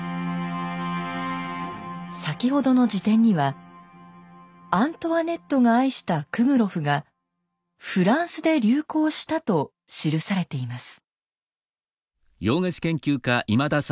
先ほどの辞典にはアントワネットが愛したクグロフがフランスで流行したと記されています。